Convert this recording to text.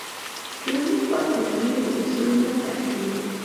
ټولنیز ځواک د ټولنې د اصولو ملاتړ کوي.